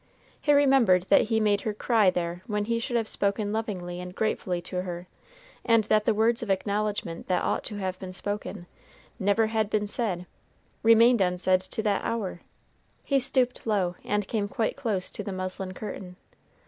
He remembered that he made her cry there when he should have spoken lovingly and gratefully to her, and that the words of acknowledgment that ought to have been spoken, never had been said, remained unsaid to that hour. He stooped low, and came quite close to the muslin curtain.